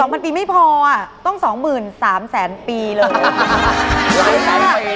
พันปีไม่พอต้อง๒๓๐๐๐ปีเลย